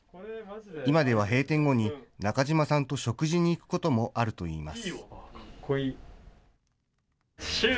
今では閉店後に、中島さんと食事に行くこともあるといいます。